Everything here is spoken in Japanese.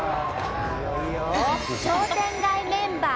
商店街メンバー